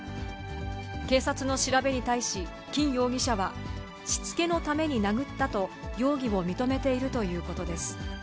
警察の調べに対し、金容疑者は、しつけのために殴ったと容疑を認めているということです。